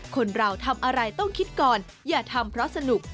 คนเราทำอะไรต้องคิดก่อนอย่าทำเพราะสนุก